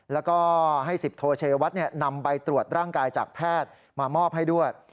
แล้วก็ให้๑๐โทชัยวัดนำใบตรวจร่างกายจากแพทย์มามอบให้ด้วย